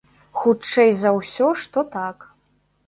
Хутчэй за ўсё, што так.